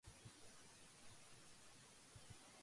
آپ کے گھر والے کیسے ہے